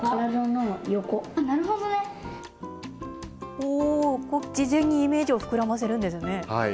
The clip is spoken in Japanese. おー、事前にイメージを膨らませるんですね。